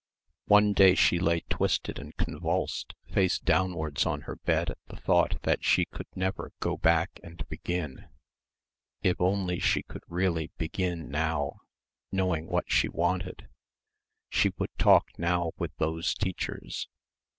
One day she lay twisted and convulsed, face downwards on her bed at the thought that she could never go back and begin. If only she could really begin now, knowing what she wanted.... She would talk now with those teachers....